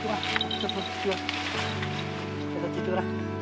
ちょっとそっち行ってごらん。